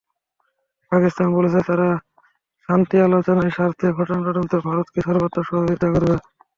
পাকিস্তান বলেছে, তারা শান্তি আলোচনার স্বার্থে ঘটনা তদন্তে ভারতকে সর্বাত্মক সহযোগিতা করবে।